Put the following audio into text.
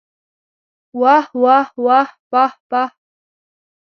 واه واه واه پاه پاه!